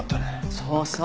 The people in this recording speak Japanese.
そうそう。